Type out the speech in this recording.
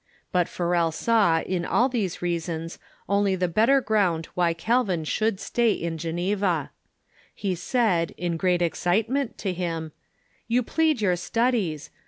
But Farol saw in all these reasons only tlie bet ter ground wliy Calvin should stay in Geneva. He said, in great excitement, to him: "You plead your studies.